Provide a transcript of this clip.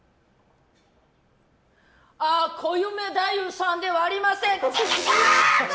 コウメ太夫さんではありません！